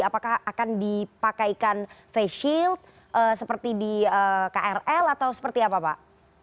apakah akan dipakaikan face shield seperti di krl atau seperti apa pak